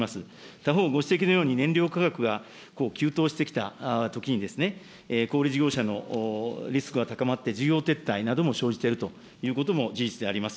他方、ご指摘のように、燃料価格が急騰してきた時に、小売り事業者のリスクが高まって、事業撤退なども生じているということも、事実であります。